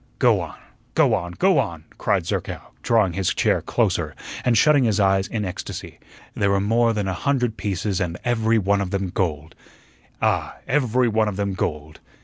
"Go on, go on, go on," cried Zerkow, drawing his chair closer, and shutting his eyes in ecstasy. "There were more than a hundred pieces, and every one of them gold " "Ah, every one of them gold."